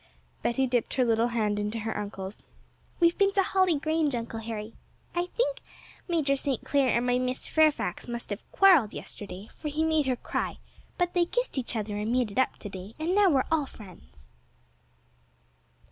Betty dipped her little hand into her uncle's. 'We've been to Holly Grange, Uncle Harry. I think Major St. Clair and my Miss Fairfax must have quarrelled yesterday, for he made her cry; but they kissed each other and made it up to day, and now we're all friends.'